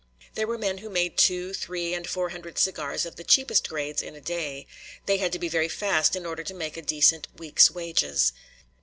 There were men who made two, three, and four hundred cigars of the cheaper grades in a day; they had to be very fast in order to make a decent week's wages.